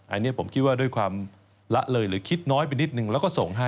อันนี้ผมคิดว่าด้วยความละเลยหรือคิดน้อยไปนิดนึงแล้วก็ส่งให้